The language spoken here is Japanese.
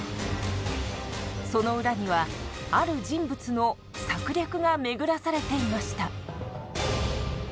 その裏にはある人物の策略が巡らされていました。